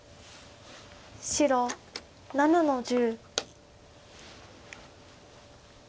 白７の十。